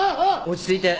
落ち着いて。